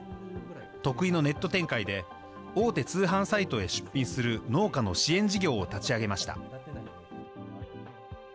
得意のネット展開で、大手通販サイトへ出品する農家の支援事業を立ち上げました。